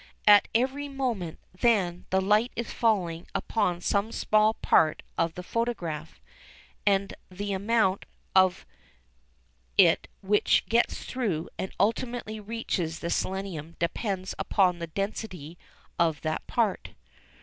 At every moment, then, the light is falling upon some small part of the photograph, and the amount of it which gets through and ultimately reaches the selenium depends upon the density of that part.